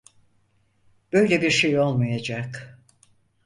Böyle birşey olmayacak.